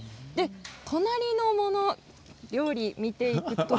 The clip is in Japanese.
隣の料理を見ていくと。